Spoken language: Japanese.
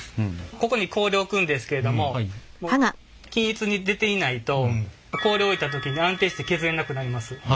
ここに氷置くんですけれども均一に出ていないと氷置いた時に安定して削れなくなります。